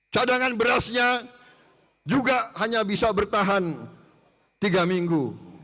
cadangan berasnya juga hanya bisa bertahan tiga minggu